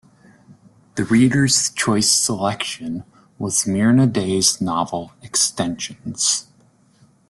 The Readers' Choice selection was Myrna Dey's novel "Extensions".